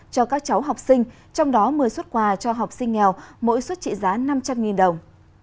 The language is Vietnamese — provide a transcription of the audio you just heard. cho các cháu học sinh trong đó một mươi suất quà cho học sinh nghèo mỗi suất trị giá năm trăm linh đồng